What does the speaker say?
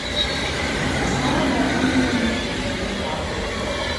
Таксама батон меў непрыемны пах.